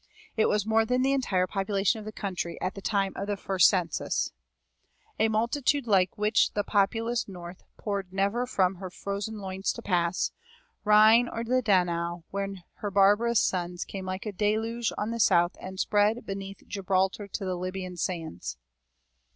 It was more than the entire population of the country at the time of the first census; A multitude like which the populous North Poured never from her frozen loins to pass Rhene or the Danaw, when her barbarous sons Came like a deluge on the South and spread Beneath Gibraltar to the Libyan sands.